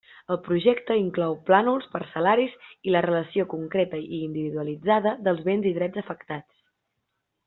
El projecte inclou plànols parcel·laris i la relació concreta i individualitzada dels béns i drets afectats.